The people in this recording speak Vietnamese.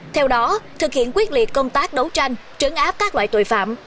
theo đó thực hiện quyết liệt công tác đấu tranh trấn áp các loại tội phạm